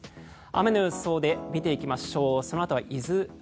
雨の予想で見ていきましょう。